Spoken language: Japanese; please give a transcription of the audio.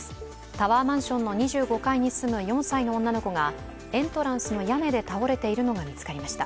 タワーマンションの２５階に住む４歳の女の子がエントランスの屋根で倒れているのが見つかりました。